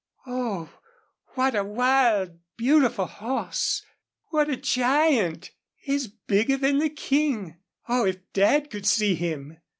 "Oh, what a wild, beautiful horse! What a giant! He's bigger than the King. Oh, if Dad could see him!"